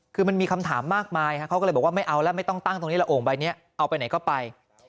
คือมันมีคำถามมากมายเขาก็เลยบอกว่าไม่เอาแล้วไม่ต้องตั้งตรงนี้ละโอ่งใบนี้เอาไปไหนก็ไป